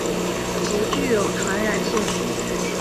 不具有传染性。